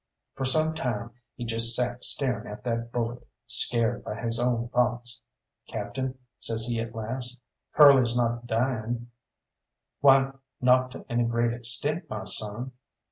For some time he just sat staring at that bullet, scared by his own thoughts. "Captain," says he at last, "Curly's not dying?" "Why, not to any great extent, my son."